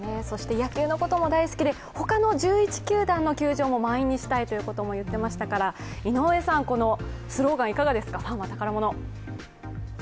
野球のことも大好きで、他の１１球団の球場も満員にしたいとおっしゃっていましたからこのスローガンいかがですか、ファンは宝物。